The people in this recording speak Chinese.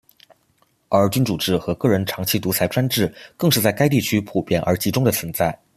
而君主制和个人长期独裁专制更是在该地区普遍而集中地存在。